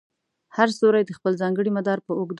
هر ستوری د خپل ځانګړي مدار په اوږدو کې حرکت کوي.